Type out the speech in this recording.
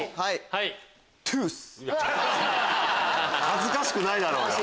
恥ずかしくないだろうよ！